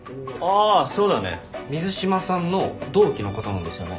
あそうだね。水島さんの同期の方なんですよね。